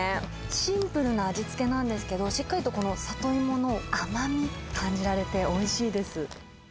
シンプルな味付けなんですけど、しっかりとこのサトイモの甘み、感じられておいしいです。